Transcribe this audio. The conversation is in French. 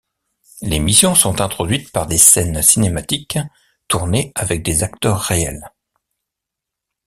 Les missions sont introduites par des scènes cinématiques tournées avec des acteurs réels.